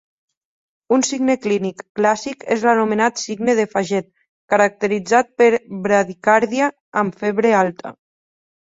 Un signe clínic clàssic és l'anomenat signe de Faget, caracteritzat per bradicàrdia amb febre alta.